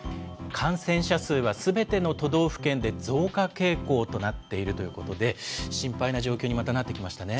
感染者数はすべての都道府県で増加傾向となっているということで、心配な状況にまたなってきましたね。